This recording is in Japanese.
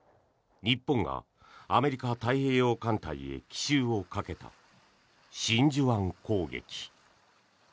日本がアメリカ太平洋艦隊へ奇襲をかけた真珠湾攻撃。